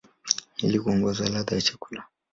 ili kuongeza ladha ya chakula.